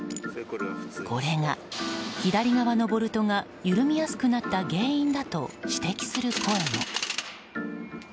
これが、左側のボルトが緩みやすくなった原因だと指摘する声も。